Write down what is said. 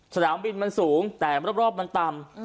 สนามบินมันสูงแต่รอบมันต่ำ